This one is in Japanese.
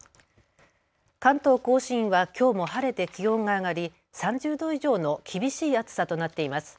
関東甲信はきょうも晴れて気温が上がり３０度以上の厳しい暑さとなっています。